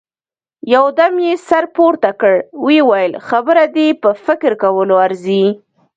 يودم يې سر پورته کړ، ويې ويل: خبره دې په فکر کولو ارزي.